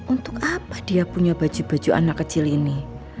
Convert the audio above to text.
untuk apa dia punya baju baju anak kecil ini